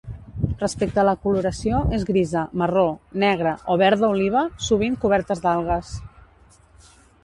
Respecte a la coloració, és grisa, marró, negra, o verda oliva, sovint cobertes d'algues.